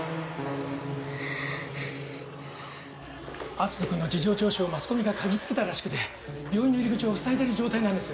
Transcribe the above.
篤斗君の事情聴取をマスコミが嗅ぎつけたらしくて病院の入り口をふさいでる状態なんです。